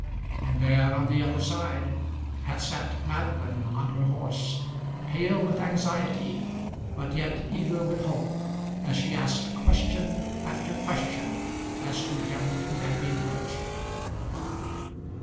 And there, on the other side, had sat Madeline on her horse, pale with anxiety but yet eager with hope, as she asked question after question as to him who had been hurt.